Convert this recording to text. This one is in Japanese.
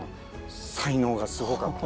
才能がすごかった。